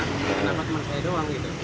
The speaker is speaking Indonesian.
kenapa teman saya doang gitu